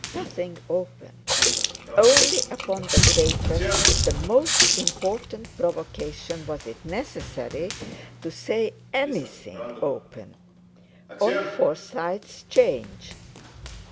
Nothing open. Only upon the greatest, the most important provocation was it necessary to say anything open on Forsyte 'Change.